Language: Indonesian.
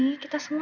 iya gitu semangat